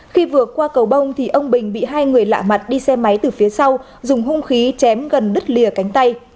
khi vượt qua cầu bông thì ông bình bị hai người lạ mặt đi xe máy từ phía sau dùng hung khí chém gần đứt lìa cánh tay